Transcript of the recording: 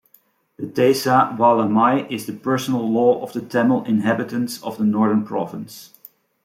The Thesawalamai is the personal law of the Tamil inhabitants of the Northern Province.